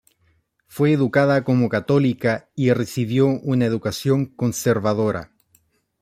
Fue educada como católica y recibió una educación conservadora.